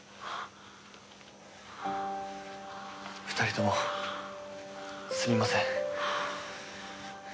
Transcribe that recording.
２人ともすみません。